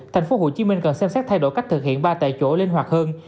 tp hcm cần xem xét thay đổi cách thực hiện ba tại chỗ linh hoạt hơn